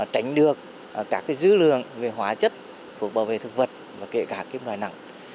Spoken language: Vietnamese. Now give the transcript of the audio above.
tránh được các cái dư lượng về hóa chất phục bảo vệ thực vật và kể cả kiếm loài nặng